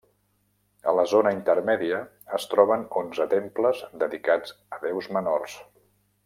A la zona intermèdia es troben onze temples dedicats a déus menors.